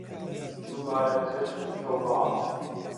دووبارە چەشنی کەوباڕ